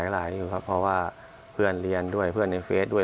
หลายอยู่ครับเพราะว่าเพื่อนเรียนด้วยเพื่อนในเฟสด้วย